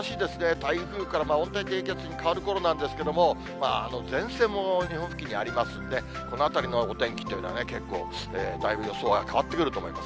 台風から温帯低気圧に変わるころなんですけれども、前線も日本付近にありますので、このあたりのお天気っていうのはね、結構、だいぶ予想は変わってくると思います。